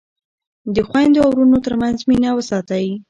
د خویندو او وروڼو ترمنځ مینه وساتئ.